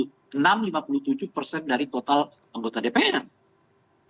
artinya kalau blok itu terjadi posisi presiden lemah sekali berhadapan dengan dpr